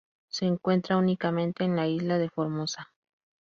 Se encuentra únicamente en la isla de Formosa.